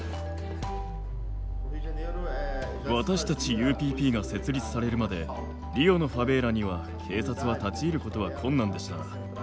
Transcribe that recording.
私たちＵＰＰが設立されるまでリオのファベーラには警察は立ち入ることは困難でした。